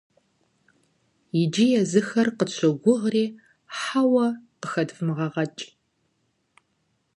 Иджы езыхэр къытщогугъри, «хьэуэ» къыхэдвмыгъэгъэкӀ.